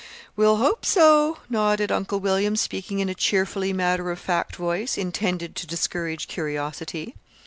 "We'll hope so," nodded Uncle William, speaking in a cheerfully matter of fact voice, intended to discourage curiosity.